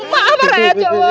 maaf pak raya